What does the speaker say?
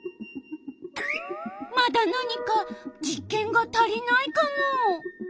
まだなにか実験が足りないカモ。